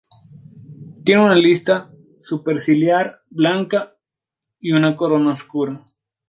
Tiene una lista superciliar blanca y una corona oscura.